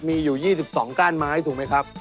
มีอยู่๒๒ก้านไม้ถูกไหมครับ